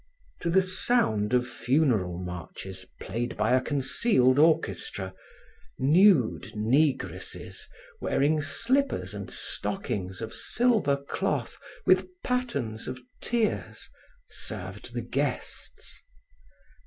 To the sound of funeral marches played by a concealed orchestra, nude negresses, wearing slippers and stockings of silver cloth with patterns of tears, served the guests.